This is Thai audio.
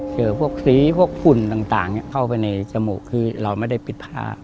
พวกสีพวกฝุ่นต่างเข้าไปในจมูกคือเราไม่ได้ปิดผ้า